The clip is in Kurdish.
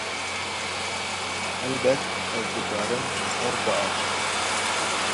helbet, ez dikarim li ser biaxivim.